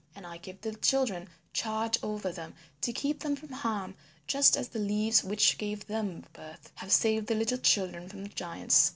And I give the children charge over them to keep them from harm just as the leaves which gave them birth have saved the little children from the giants.